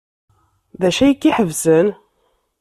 D acu ay k-iḥebsen?